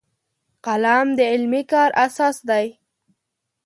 قلم د علمي کار اساس دی